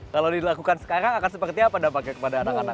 kalau dilakukan sekarang akan seperti apa dampaknya kepada anak anak